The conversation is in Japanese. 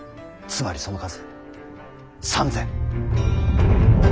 つまりその数３，０００。